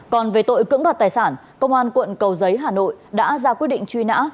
còn về tội cưỡng đoạt tài sản công an quận cầu giấy hà nội đã ra quyết định truy nã